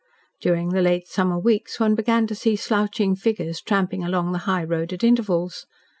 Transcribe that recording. During the late summer weeks one began to see slouching figures tramping along the high road at intervals.